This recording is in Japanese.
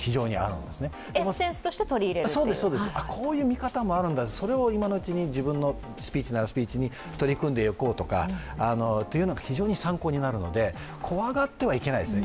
そうですそうです、こういう見方もあるんだ、それを今のうちに自分のスピーチに取り組んでいこうとかが非常に参考になるので、怖がってはいけないですね。